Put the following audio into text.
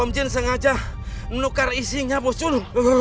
om jin sengaja menukar isinya bu shun